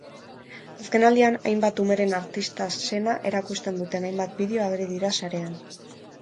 Azkenaldian, hainbat umeren artista sena erakusten duten hainbat bideo ageri dira sarean.